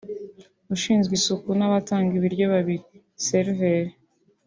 ushinzwe isuku n’abatanga ibiryo babiri (serveurs)